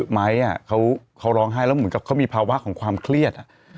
ไม้เขาร้องไห้แล้วเหมือนกับเขามีภาวะของความเครียด